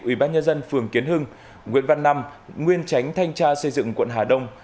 ủy ban nhân dân phường kiến hưng nguyễn văn năm nguyên tránh thanh tra xây dựng quận hà đông